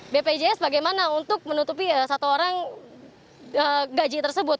bpjs bagaimana untuk menutupi satu orang gaji tersebut